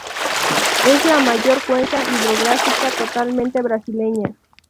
Es la mayor cuenca hidrográfica totalmente brasileña.